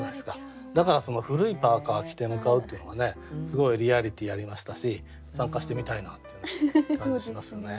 だから「古いパーカー着て向かう」っていうのがねすごいリアリティーありましたし参加してみたいなっていう感じしますよね。